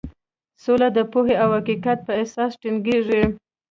سوله د پوهې او حقیقت په اساس ټینګیږي.